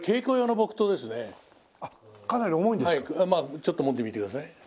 ちょっと持ってみてください。